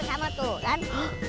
sama tuh kan